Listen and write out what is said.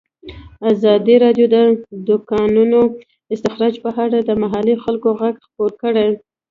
ازادي راډیو د د کانونو استخراج په اړه د محلي خلکو غږ خپور کړی.